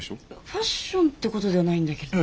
ファッションってことではないんだけど。